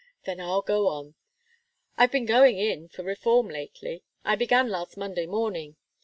"Then I'll go on. I've been going in for reform lately I began last Monday morning.